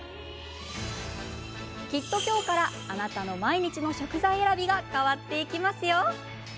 きっと今日からあなたの毎日の食材選びが変わっていきますよ。